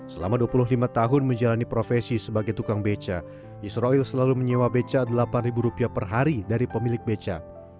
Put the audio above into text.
selama dua puluh lima tahun menjalani profesi sebagai tukang beca israel selalu menyewa beca delapan ribu rupiah per hari dari pemilik beca